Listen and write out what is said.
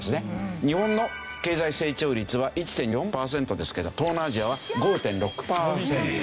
日本の経済成長率は１．４パーセントですけど東南アジアは５．６パーセント。